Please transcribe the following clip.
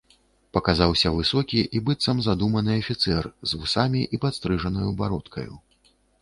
Паказаўся высокі і быццам задуманы афіцэр, з вусамі і падстрыжанаю бародкаю.